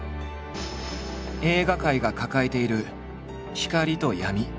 映画界が抱えている光と闇。